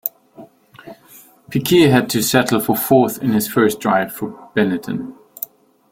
Piquet had to settle for fourth in his first drive for Benetton.